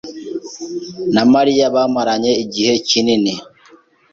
na Mariya bamaranye igihe kinini.